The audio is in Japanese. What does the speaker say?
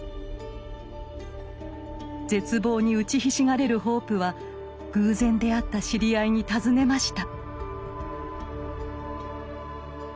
絶望に打ちひしがれるホープは偶然出会った知り合いに尋ねました。